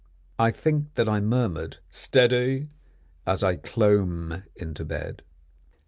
I think that I murmured "Steady!" as I clomb into bed.